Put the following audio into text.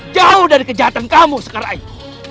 jauh dari kejahatan kamu sekarang ini